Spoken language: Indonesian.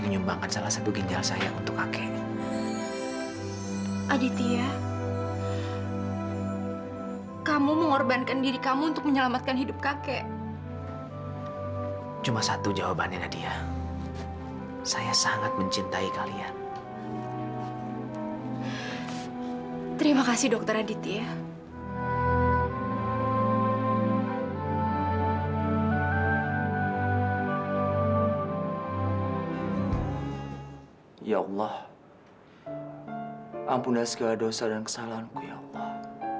ya allah ampunlah segala dosa dan kesalahanku ya allah